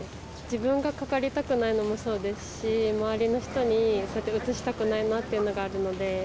自分がかかりたくないのもそうですし、周りの人にうつしたくないなというのがあるので。